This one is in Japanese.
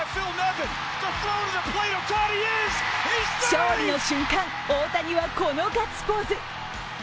勝利の瞬間、大谷はこのガッツポーズ。